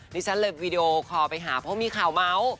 นี่ฉันเลยไปวิดีโอขอไปหาเพราะมีข่าวเม้า